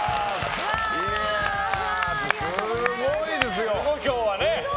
すごいですよ、今日は。